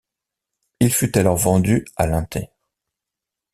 Il fut alors vendu à l'Inter.